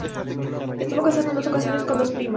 Estuvo casado en dos ocasiones, con dos primas.